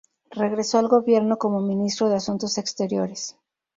Regresó al gobierno como ministro de Asuntos Exteriores.